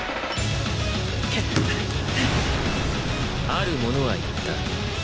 ある者は言った